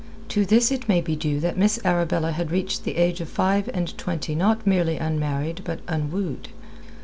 To this it may be due that Miss Arabella had reached the age of five and twenty not merely unmarried but unwooed.